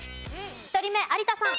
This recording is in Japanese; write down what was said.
１人目有田さん。